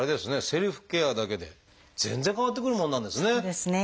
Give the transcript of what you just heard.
セルフケアだけで全然変わってくるもんなんですね。